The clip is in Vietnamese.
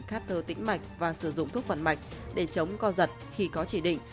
khát thơ tĩnh mạch và sử dụng thuốc phận mạch để chống co giật khi có chỉ định